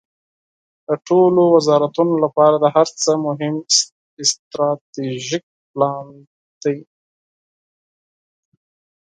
د ټولو وزارتونو لپاره تر هر څه مهم استراتیژیک پلان ده.